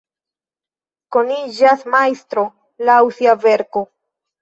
Koniĝas majstro laŭ sia verko.